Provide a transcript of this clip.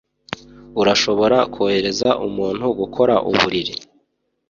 Urashobora kohereza umuntu gukora uburiri